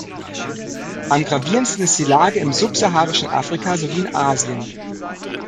Am gravierendsten ist die Lage im subsaharischen Afrika sowie in Asien.